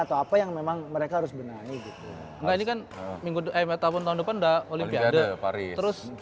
atau apa yang memang mereka harus benar ini kan minggu tahun depan olimpiade paris terus